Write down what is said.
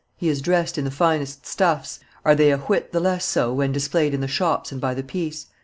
He is dressed in the finest stuffs; are they a whit the less so when displayed in the shops and by the piece?